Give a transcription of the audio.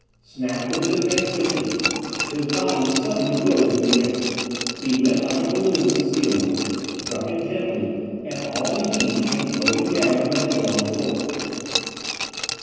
Snap was in advance of me. His body suddenly rose in the air. He went like a balloon to the ceiling, struck it gently, and all in a heap came floating down and landed on the floor!